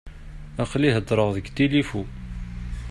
Aql-i heddreɣ deg tilifu.